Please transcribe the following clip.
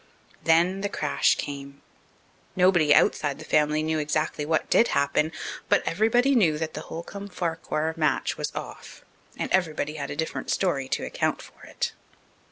Then the crash came. Nobody outside the family knew exactly what did happen, but everybody knew that the Holcomb Farquhar match was off, and everybody had a different story to account for it.